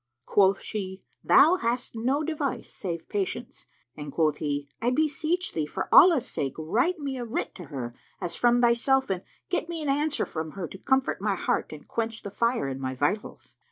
Quoth she, "Thou hast no device save patience;" and quoth he, "I beseech thee, for Allah's sake, write me a writ to her, as from thyself, and get me an answer from her, to comfort my heart and quench the fire in my vitals."